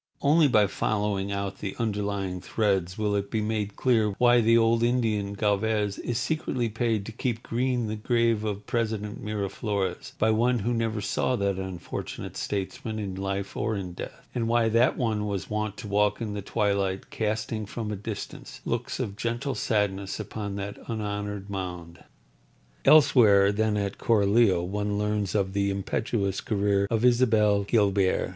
Only by following out the underlying threads will it be made clear why the old Indian, Galvez, is secretly paid to keep green the grave of President Miraflores by one who never saw that unfortunate statesman in life or in death, and why that one was wont to walk in the twilight, casting from a distance looks of gentle sadness upon that unhonoured mound. Elsewhere than at Coralio one learns of the impetuous career of Isabel Guilbert.